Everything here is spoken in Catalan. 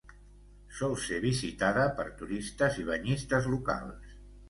Sol ser visitada per turistes i banyistes locals.